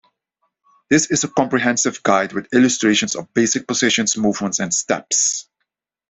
This is a comprehensive guide, with illustrations of basic positions, movements, and steps.